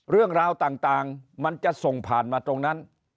เรื่องราวต่างมันจะส่งผ่านมาตรงนั้น